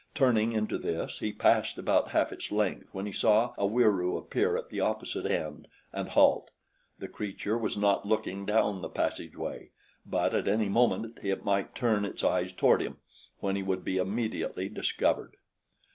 Turning into this he passed about half its length when he saw a Wieroo appear at the opposite end and halt. The creature was not looking down the passageway; but at any moment it might turn its eyes toward him, when he would be immediately discovered.